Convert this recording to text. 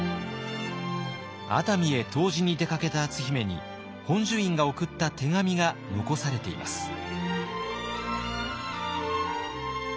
熱海へ湯治に出かけた篤姫に本寿院が送った手紙が残されています。